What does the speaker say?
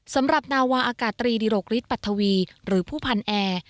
สำหรับนาวาอากาศตรีดิรกฤทธปัทวีหรือผู้พันแอร์